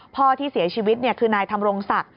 พ่อที่เสียชีวิตคือนายธรรมรงศักดิ์